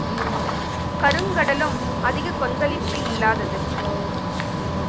கருங்கடலும் அதிக கொந்தளிப்பு இல்லாதது.